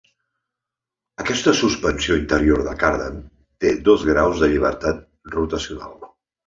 Aquesta suspensió interior de Cardan té dos graus de llibertat rotacional.